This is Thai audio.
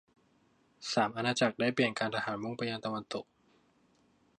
สาม อาณาจักรได้เปลี่ยนการทหารมุ่งไปยังตะวันตก